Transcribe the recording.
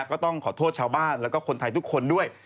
ก็ต้องขอโทษชาวบ้านแล้วก็คนไทยทุกคนด้วย